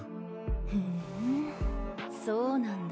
ふんそうなんだ。